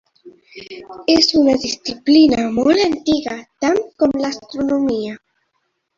És una disciplina molt antiga, tant com l'astronomia.